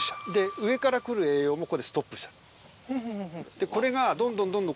上から来る栄養もここでストップしちゃう。